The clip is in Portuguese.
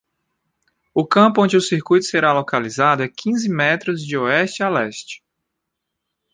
O campo onde o circuito será localizado é quinze metros de oeste a leste.